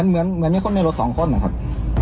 เหมือนอย่างคนในรถสองคนหรอครับ